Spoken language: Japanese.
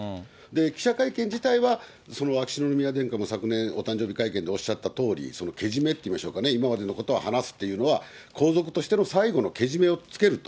記者会見自体は、秋篠宮殿下も昨年、お誕生日会見でおっしゃったとおり、けじめって言うんでしょうかね、今までのことを話すっていうのは、皇族としての最後のけじめをつけると。